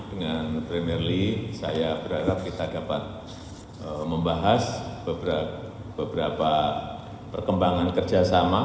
dengan premier lea saya berharap kita dapat membahas beberapa perkembangan kerjasama